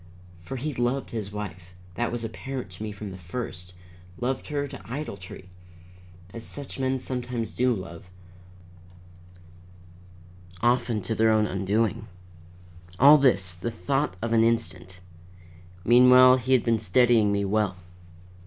For he loved his wife that was apparent to me from the first; loved her to idolatry, as such men sometimes do love, often to their own undoing. All this, the thought of an instant. Meanwhile he had been studying me well.